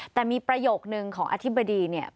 แต่มีประโยคหนึ่งของอธิบดี